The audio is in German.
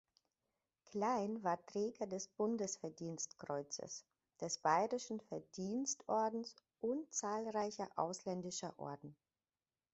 Klein war Träger des Bundesverdienstkreuzes, des Bayerischen Verdienstordens und zahlreicher ausländischer Orden.